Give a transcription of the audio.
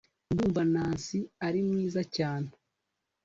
ndumva nancy ari mwiza cyane